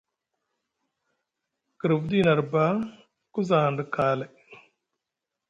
Girfudi nʼarba ku za hanɗa kaalay.